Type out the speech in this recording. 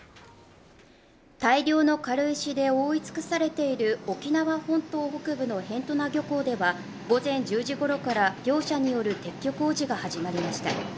大量の軽石で覆い尽くされている沖縄本島北部の辺土名漁港では午前１０時ごろから業者による撤去工事が始まりました